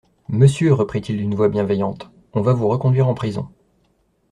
Monsieur, reprit-il d'une voix bienveillante, on va vous reconduire en prison.